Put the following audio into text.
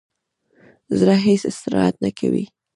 زړه هیڅ استراحت نه کوي.